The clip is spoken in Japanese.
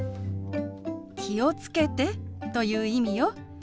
「気をつけて」という意味よ。